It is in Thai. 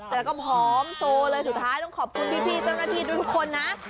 แต่ก็พร้อมโซเลยสุดท้ายต้องขอบคุณพี่เจ้าหน้าที่ทุกคนนะ